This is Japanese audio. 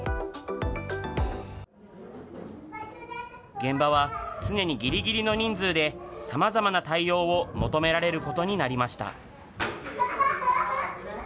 現場は常にぎりぎりの人数で、さまざまな対応を求められることになりました。